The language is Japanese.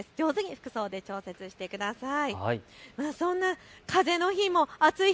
服装で調節してください。